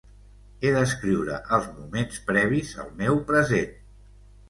He d'escriure els moments previs al meu present.